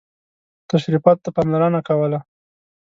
تشریفاتو ته پاملرنه کوله.